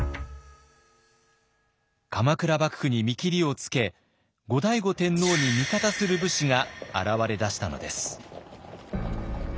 鎌倉幕府に見切りをつけ後醍醐天皇に味方する武士が現れだしたのです。